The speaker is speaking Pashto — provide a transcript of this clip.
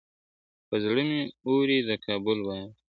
پر زړه مي اوري د کابل واوري !.